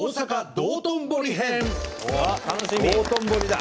道頓堀だ。